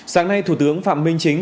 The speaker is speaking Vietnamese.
sáng nay thủ tướng phạm minh chính